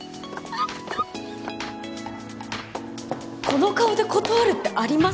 っこの顔で断るってあります！？